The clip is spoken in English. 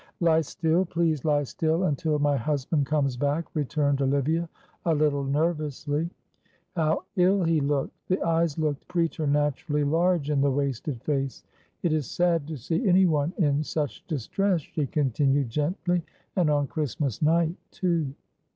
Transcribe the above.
"Lie still please lie still until my husband comes back," returned Olivia, a little nervously. How ill he looked the eyes looked preternaturally large in the wasted face. "It is sad to see anyone in such distress," she continued, gently, "and on Christmas night, too."